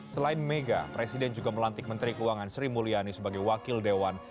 selain mega presiden juga melantik menteri keuangan sri mulyani sebagai wakil dewan